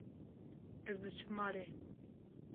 Ez diçim malê.